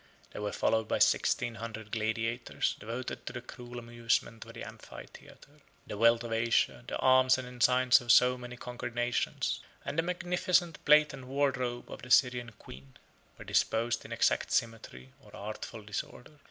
They were followed by sixteen hundred gladiators, devoted to the cruel amusement of the amphitheatre. The wealth of Asia, the arms and ensigns of so many conquered nations, and the magnificent plate and wardrobe of the Syrian queen, were disposed in exact symmetry or artful disorder.